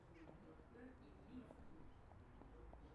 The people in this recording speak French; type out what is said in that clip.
eux, ils lisent.